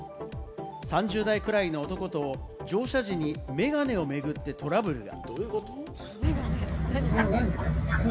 ３０代くらいの男と、乗車時にメガネを巡ってトラブルが。